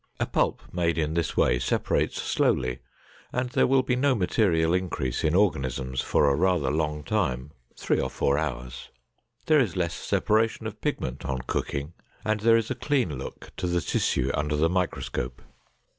A pulp made in this way separates slowly and there will be no material increase in organisms for a rather long time (three or four hours). There is less separation of pigment on cooking and there is a clean look to the tissue under the microscope.